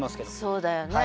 そうだよね。